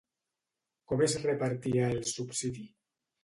Com es repartia el subsidi?